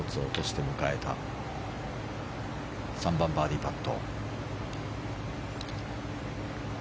１つ落として迎えた３番、バーディーパット。